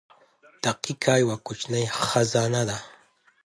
• دقیقه یوه کوچنۍ خزانه ده.